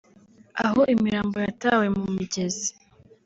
aho imirambo yatawe mu migezi